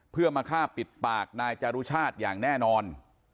เพื่อมาฆ่าปิดปากนายจารุชาติอย่างแน่นอน